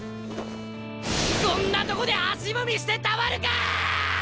こんなとこで足踏みしてたまるかあ！